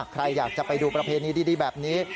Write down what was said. ใครอยากจะไปดูประเพณีดีแบบนี้